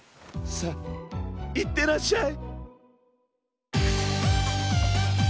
さあいってらっしゃい。